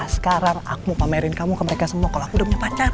sekarang aku mau pamerin kamu ke mereka semua kalau aku udah punya pacar